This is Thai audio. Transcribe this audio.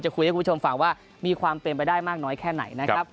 จะคุยกับคุณผู้ชมฝากว่ามีความเป็นไปได้มากน้อยแค่ไหน